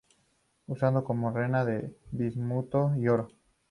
Usado como mena del bismuto y oro.